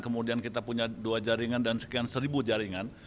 kemudian kita punya dua jaringan dan sekian seribu jaringan